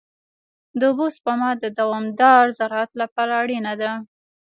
د اوبو سپما د دوامدار زراعت لپاره اړینه ده.